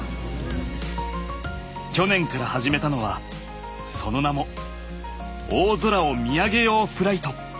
去年から始めたのはその名も「大空を見上げようフライト」。